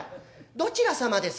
どちら様です？」。